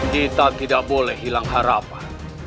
kita tidak boleh hilang harapan